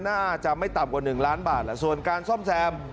น่าจะไม่ต่ำกว่า๑ล้านบาทแหละส่วนการซ่อมแซม